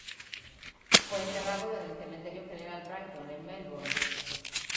Fue enterrado en el Cementerio General Brighton en Melbourne.